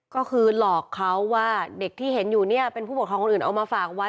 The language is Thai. ก็คือหลอกเขาว่าเด็กที่เห็นอยู่เนี่ยเป็นผู้ปกครองคนอื่นเอามาฝากไว้